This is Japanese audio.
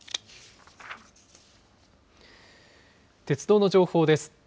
鉄道の情報です。